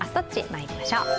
まいりましょう。